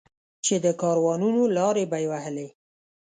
چې د کاروانونو لارې به یې وهلې.